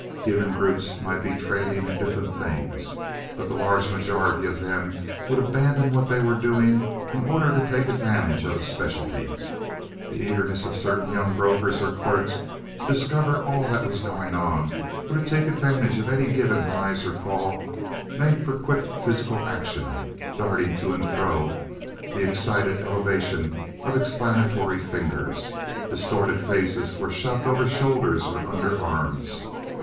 Given groups might be trading in different things; but the large majority of them would abandon what they were doing in order to take advantage of a speciality. The eagerness of certain young brokers or clerks to discover all that was going on, and to take advantage of any given rise or fall, made for quick physical action, darting to and fro, the excited elevation of explanatory fingers. Distorted faces were shoved over shoulders or under arms.